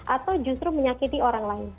atau justru menyakiti orang lain